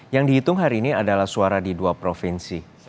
yang dihitung hari ini adalah suara di dua provinsi